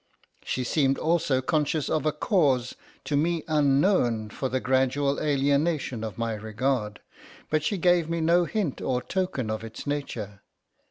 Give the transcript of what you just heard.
She seemed, also, conscious of a cause, to me unknown, for the gradual alienation of my regard; but she gave me no hint or token of its nature.